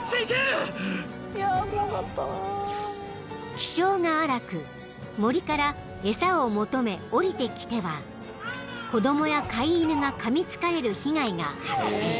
［気性が荒く森から餌を求め下りてきては子供や飼い犬がかみつかれる被害が発生］